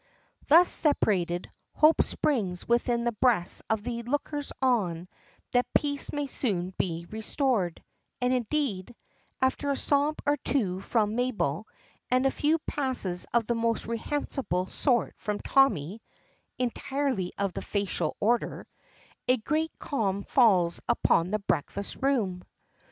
Thus separated hope springs within the breasts of the lookers on that peace may soon be restored; and indeed, after a sob or two from Mabel, and a few passes of the most reprehensible sort from Tommy (entirely of the facial order), a great calm falls upon the breakfast room.